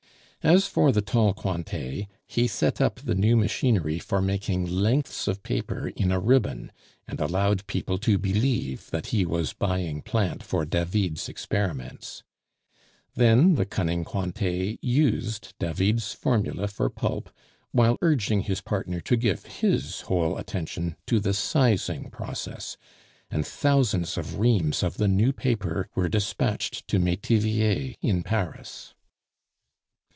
As for the tall Cointet, he set up the new machinery for making lengths of paper in a ribbon, and allowed people to believe that he was buying plant for David's experiments. Then the cunning Cointet used David's formula for pulp, while urging his partner to give his whole attention to the sizing process; and thousands of reams of the new paper were despatched to Metivier in Paris.